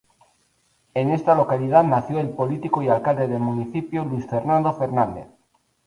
En esta localidad nació el político y alcalde del municipio Luis Fernando Fernández.